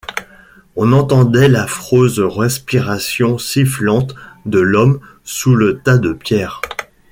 On entendait l’affreuse respiration sifflante de l’homme sous le tas de pierres.